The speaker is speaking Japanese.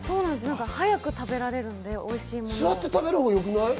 早く食べられるので、おいしいものを。